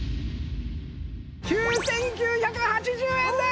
９９８０円です！